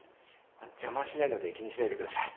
邪魔はしないので気にしないでください。